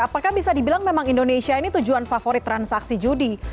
apakah bisa dibilang memang indonesia ini tujuan favorit transaksi judi